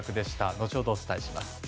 後ほどお伝えします。